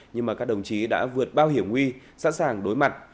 nhưng mà các đồng chí đã vượt bao hiểm nguy sẵn sàng đối mặt